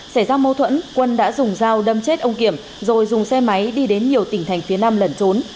xảy ra mâu thuẫn quân đã dùng dao đâm chết ông kiểm rồi dùng xe máy đi đến nhiều tỉnh thành phía nam lẩn trốn